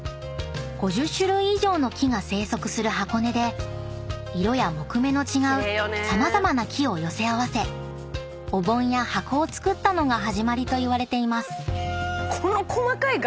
［５０種類以上の木が生息する箱根で色や木目の違う様々な木を寄せ合わせお盆や箱を作ったのが始まりといわれています］